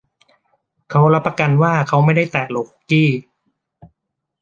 เขารับประกันว่าเขาไม่ได้แตะโหลคุกกี้